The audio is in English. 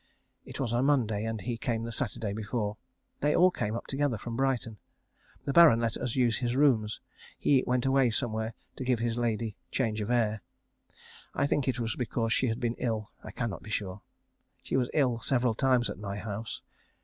It was on a Monday, and he came the Saturday before. They all came up together from Brighton. The Baron let us use his rooms. He went away somewhere to give his lady change of air. I think it was because she had been ill. I cannot be sure. She was ill several times at my house.